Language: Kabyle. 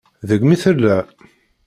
Deg-m i tella.